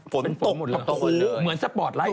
ฝนตกผูมีเหมือนสปอร์ตไลท์